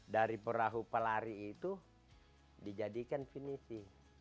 dari perahu palari itu dijadikan pinisi